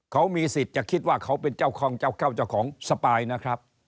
เขามีสิทธิ์จะคิดว่าเขาเป็นเจ้าของเจ้าเข้าเจ้าของสปายนะครับ